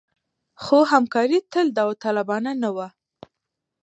خو همکاري تل داوطلبانه نه وه.